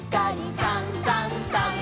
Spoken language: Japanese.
「さんさんさん」